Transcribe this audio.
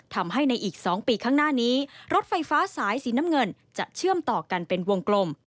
ทำให้ในอีก๒ปีข้างหน้านี้รถไฟฟ้าสายสีน้ำเงินจะเชื่อมต่อกันเป็นวงกลม